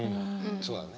そうだね。